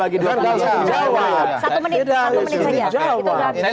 satu menit saja